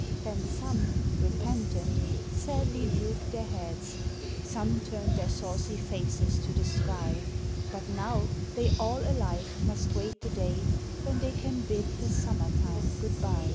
Then some, repentant, sadly drooped their heads; Some turned their saucy faces to the sky; But now they all alike must wait the day When they can bid the summer time good by.